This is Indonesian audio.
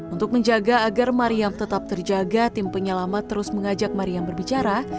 untuk menjaga agar mariam tetap terjaga tim penyelamat terus mengajak mariam berbicara